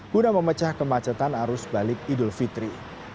guna memecah kemacetan arus balik idul fitri